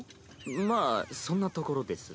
まあそんなところです。